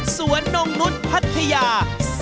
นงนุษย์พัทยา